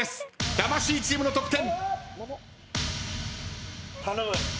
魂チームの得点。